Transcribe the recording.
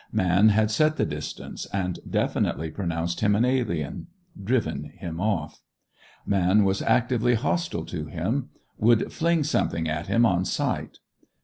Man had set the distance, and definitely pronounced him an alien; driven him off. Man was actively hostile to him, would fling something at him on sight.